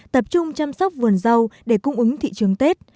tập trung chăm sóc vườn rau để cung ứng thị trường tết